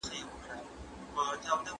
افغانستان تل د لویو قدرتونو د سیالۍ ډګر و.